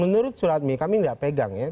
menurut suratmi kami tidak pegang ya